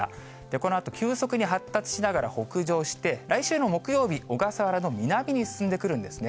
このあと急速に発達しながら北上して、来週の木曜日、小笠原の南に進んでくるんですね。